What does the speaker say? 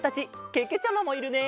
けけちゃまもいるね！